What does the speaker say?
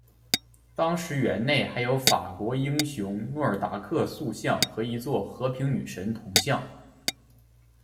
当时园内还有法国民族英雄诺尔达克塑像和一座和平女神铜像。